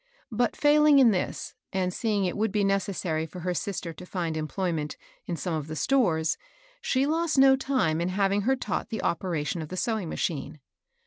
But, failing in this, and seeing it would be necessary for her sister to find employment in some of the stores, she lost no time in having her taught the operation of the sewing machine.